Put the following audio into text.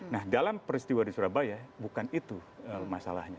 nah dalam peristiwa di surabaya bukan itu masalahnya